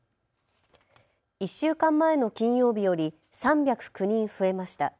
１週間前の金曜日より３０９人増えました。